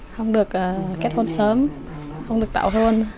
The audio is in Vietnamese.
không được kết hôn sớm không được tạo hôn